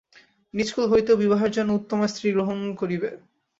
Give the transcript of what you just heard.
নীচকূল হইতেও বিবাহের জন্য উত্তমা স্ত্রী গ্রহণ করিবে।